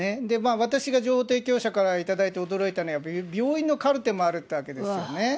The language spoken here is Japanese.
私が情報提供者から頂いて驚いたのは、病院のカルテもあるってわけですよね。